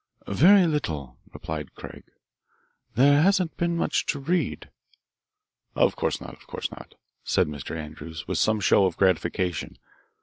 "Very little," replied Craig. "There hasn't been much to read." "Of course not, of course not," said Mr. Andrews with some show of gratification.